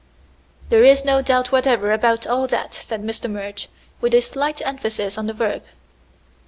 "There is no doubt whatever about all that," said Mr. Murch, with a slight emphasis on the verb.